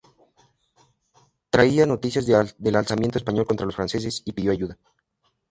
Traía noticias del alzamiento español contra los franceses y pidió ayuda.